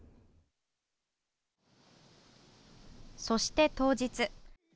そして、当日。